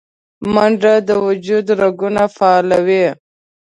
منډه د وجود رګونه فعالوي